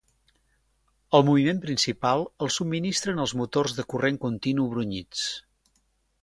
El moviment principal el subministren els motors de corrent continu brunyits.